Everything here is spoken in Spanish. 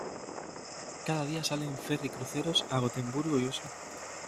Cada día salen ferry-cruceros a Gotemburgo y Oslo.